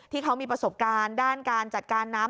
ที่เขามีประสบการณ์ด้านการจัดการน้ำ